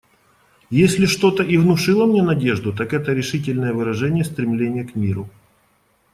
Если что-то и внушило мне надежду, так это решительное выражение стремления к миру.